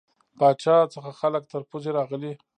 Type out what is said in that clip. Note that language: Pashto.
پاچا څخه خلک تر پوزې راغلي.